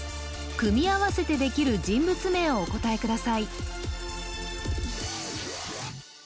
組み合わせてできる人物名をお答えください